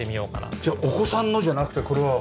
じゃあお子さんのじゃなくてこれはご主人の。